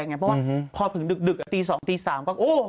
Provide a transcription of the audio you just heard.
เพราะว่าพอถึงดึกตี๒ตี๓ก็